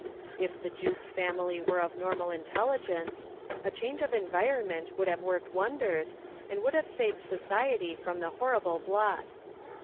If the Jukes family were of normal intelligence, a change of environment would have worked wonders and would have saved society from the horrible blot.